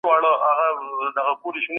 صدقه د مال ساتنه کوي.